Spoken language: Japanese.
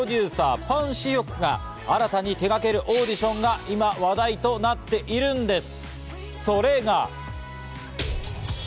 彼らを世に生み出したプロデューサー、パン・シヒョクが新たに手がけるオーディションが今、話題となっているんです。